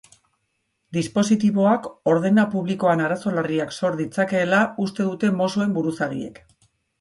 Dispositiboak ordena publikoan arazo larriak sor ditzakeela uste dute mossoen buruzagiek.